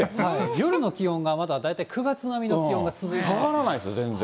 夜の気温がまだ大体９月並みの気温が続いてます。